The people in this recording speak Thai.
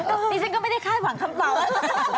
โอ้โหนี่ฉันก็ไม่ได้คาดหวังคำเปล่าเลย